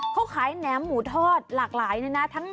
เขาขายแหนมหมูทอดหลากหลายเลยนะ